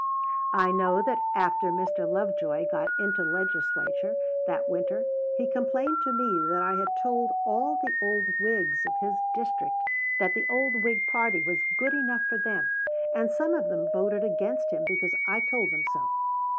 I know that after Mr. Lovejoy got into the legislature that winter he complained to me that I had told all the old Whigs of his district that the old Whig party was good enough for them, and some of them voted against him because I told them so.